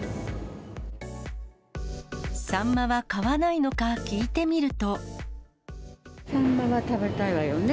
サンマは買わないのか聞いてサンマは食べたいわよね。